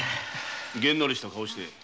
げんなりした顔して。